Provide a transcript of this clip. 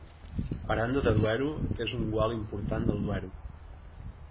Aranda de Duero és un gual important del Duero.